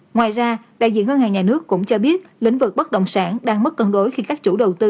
ngoài ra đại diện ngân hàng nhà nước cũng cho biết lĩnh vực bất động sản đang mất cân đối khi các chủ đầu tư